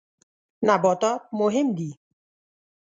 نباتات مهم دي.